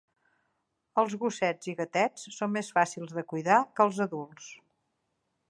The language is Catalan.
Els gossets i gatets són més fàcils de cuidar que els adults.